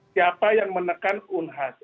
siapa yang menekan unhas